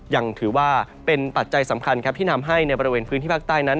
ยังถือว่าเป็นปัจจัยสำคัญครับที่ทำให้ในบริเวณพื้นที่ภาคใต้นั้น